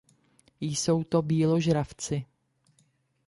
Jsou to býložravci.